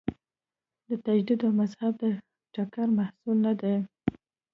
د تجدد او مذهب د ټکر محصول نه دی.